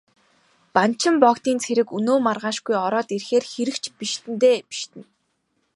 Банчин богдын цэрэг өнөө маргаашгүй ороод ирэхээр хэрэг ч бишиднэ дээ, бишиднэ.